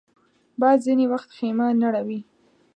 باد ځینې وخت خېمه نړوي